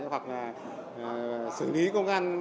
hoặc là xử lý công an